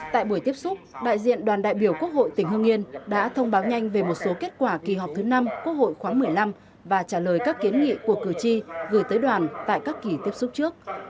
tại buổi tiếp xúc đại diện đoàn đại biểu quốc hội tỉnh hương yên đã thông báo nhanh về một số kết quả kỳ họp thứ năm quốc hội khoáng một mươi năm và trả lời các kiến nghị của cử tri gửi tới đoàn tại các kỳ tiếp xúc trước